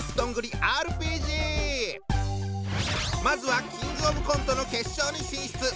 まずはキングオブコントの決勝に進出